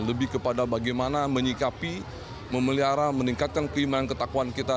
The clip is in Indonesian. lebih kepada bagaimana menyikapi memelihara meningkatkan keimanan ketakuan kita